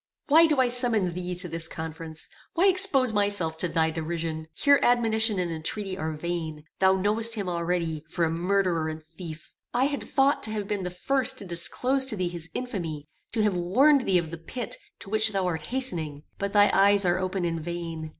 "Why do I summon thee to this conference? Why expose myself to thy derision? Here admonition and entreaty are vain. Thou knowest him already, for a murderer and thief. I had thought to have been the first to disclose to thee his infamy; to have warned thee of the pit to which thou art hastening; but thy eyes are open in vain.